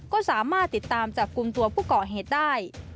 ก็สามารถติดตามจับกลุ่มตัวผู้ก่อเหตุได้